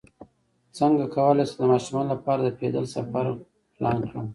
څنګه کولی شم د ماشومانو لپاره د پیدل سفر پلان کړم